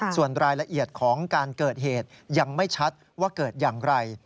ส่วนรายละเอียดของการเกิดเหตุยังไม่ชัดว่าเกิดอย่างไร